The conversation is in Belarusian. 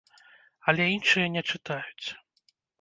Але іншыя не чытаюць.